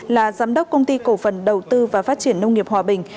là giám đốc công ty cổ phần đầu tư và phát triển nông nghiệp hòa bình